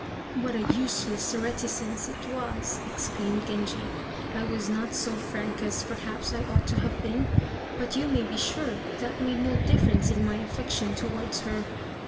"What a useless reticence it was," exclaimed Genji. "I was not so frank as, perhaps, I ought to have been; but you may be sure that made no difference in my affection towards her.